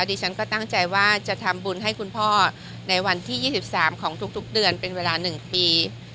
ที่ฉันก็ตั้งใจว่าจะทำบุญให้คุณพ่อในวันที่ยี่สิบสามของทุกทุกเดือนเป็นเวลาหนึ่งปี